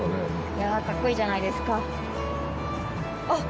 いやぁかっこいいじゃないですかあっ！